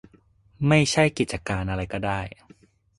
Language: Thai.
ไม่ใช่กิจการอะไรก็ได้